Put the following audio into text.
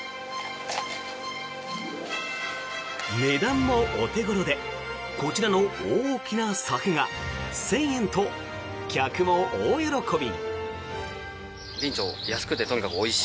値段もお手頃でこちらの大きな柵が１０００円と客も大喜び。